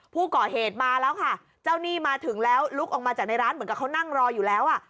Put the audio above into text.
ผู้ก่อเหตุมาแล้วค่ะเจ้าหนี้มาถึงแล้วลุกออกมาจากในร้านเหมือนกับเขานั่งรออยู่แล้วอ่ะ